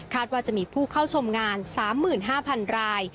ว่าจะมีผู้เข้าชมงาน๓๕๐๐๐ราย